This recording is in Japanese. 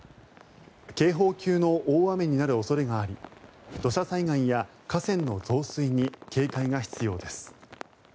警報級の大雨になる恐れがあり土砂災害や河川の増水に警戒が必要です。